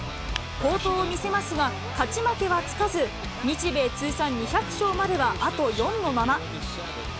好投を見せますが、勝ち負けはつかず、日米通算２００勝まではあと４のまま。